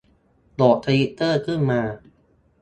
โหลดทวิตเตอร์ขึ้นมา